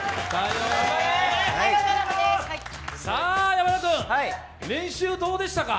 山田君、練習どうでしたか？